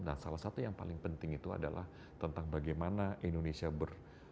dan salah satu yang paling penting itu adalah tentang bagaimana indonesia bermengerti di pecah pecah yangrin